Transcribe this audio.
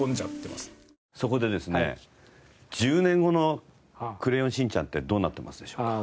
そこでですね１０年後の『クレヨンしんちゃん』ってどうなってますでしょうか？